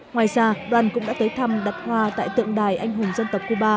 ngoài ra đoàn cũng đã tới thăm đặt hoa tại tượng đài anh hùng dân tộc cuba